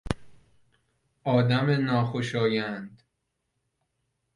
آدم ناخوشایند